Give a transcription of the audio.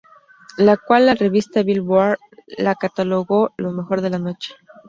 La cual la revista "Billboard" la catalogó lo mejor de la noche.